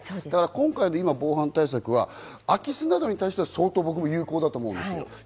今回、防犯対策は空き巣などに対して相当有効だと思うんです。